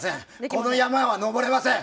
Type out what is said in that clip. この山は登れません